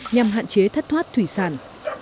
nhằm hạn chế thất thoát thủy sản